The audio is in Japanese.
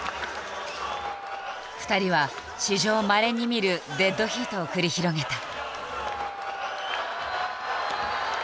２人は史上まれに見るデッドヒートを繰り広げた。